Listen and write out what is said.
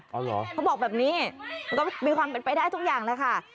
เอาเหรอเขาบอกแบบนี้มันก็มีความเป็นไปได้ทุกอย่างแหละค่ะ